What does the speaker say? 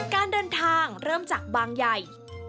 การเดินทางเริ่มจากบางใหญ่